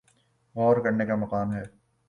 غور کرنے کا مقام ہے۔